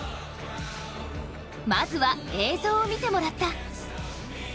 まずは映像を見てもらった。